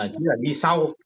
chứ là đi sau